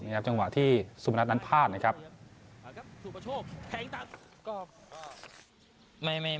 อย่างเวลาที่สุมนัดนั้นพลาดนะครับสุดประโยชน์แข่งต่าง